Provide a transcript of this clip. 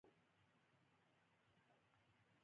ولي مسلمان د بل ورور په کمزورۍ خوشحاله سي؟